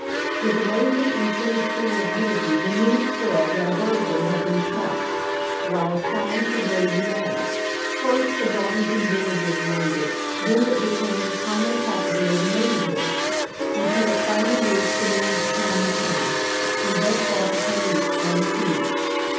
With amazing and sinister rapidity the news spread that a burglar had been shot dead while trying to raid The Manor. First, the Garvington villagers learned it; then it became the common property of the neighborhood, until it finally reached the nearest county town, and thus brought the police on the scene.